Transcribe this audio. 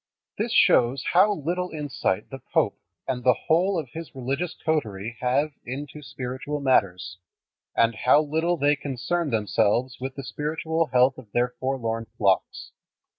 This shows how little insight the pope and the whole of his religious coterie have into spiritual matters, and how little they concern themselves with the spiritual health of their forlorn flocks.